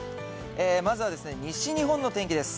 まずは西日本の天気です。